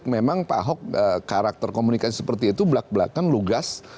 memang pak ahok karakter komunikasi seperti itu belak belakan lugas